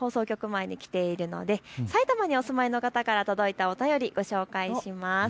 前に来ているので埼玉にお住まいの方から届いたお便り、ご紹介します。